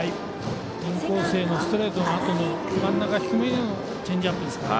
インコースへのストレートのあとに真ん中低めへのチェンジアップですから。